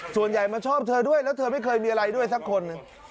ส่วนใหญ่มาชอบเธอด้วยแล้วเธอไม่เคยมีอะไรด้วยสักคน